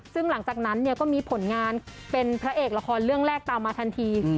ซึ่งหลังจากนั้นเนี่ยก็มีผลงานเป็นพระเอกละครเรื่องแรกตามมาทันที